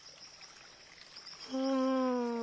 うん。